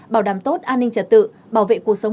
bảo đảm tốt an ninh trật tự bảo vệ cuộc sống